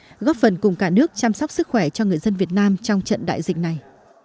trong phòng chống dịch góp phần cùng cả nước chăm sóc sức khỏe cho người dân việt nam trong trận đại dịch này